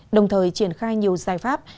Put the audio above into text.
đồng thời triển khai nhiều giải pháp